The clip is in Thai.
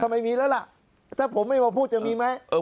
ไม่มีแล้วล่ะถ้าผมไม่มาพูดจะมีไหม